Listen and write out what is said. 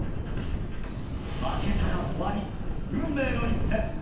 負けたら終わり、運命の一戦。